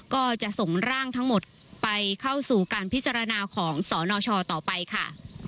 ก็จะส่งร่างทั้งหมดไปเข้าสู่การพิจารณาของสนชต่อไปค่ะ